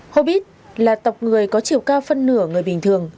hobit là tộc người có chiều cao phân nửa người bình thường